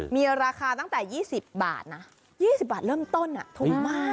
มีราคาตั้งแต่๒๐บาทนะ๒๐บาทเริ่มต้นถูกมาก